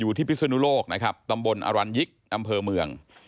พิศนุโลกนะครับตำบลอรัญยิกอำเภอเมือง